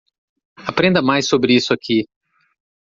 Aprenda mais sobre isso aqui.